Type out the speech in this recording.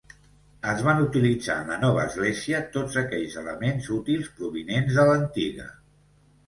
Es van utilitzar en la nova església tots aquells elements útils provinents de l’antiga.